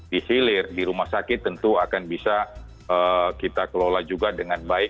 di hilir di rumah sakit tentu akan bisa kita kelola juga dengan baik